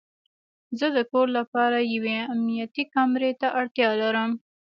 زه د کور لپاره یوې امنیتي کامرې ته اړتیا لرم